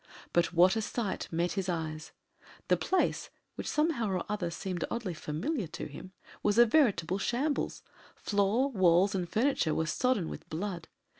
But what a sight met his eyes! The place, which somehow or the other seemed oddly familiar to him, was a veritable shambles floor, walls, and furniture were sodden with blood.